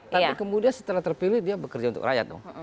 tapi kemudian setelah terpilih dia bekerja untuk rakyat dong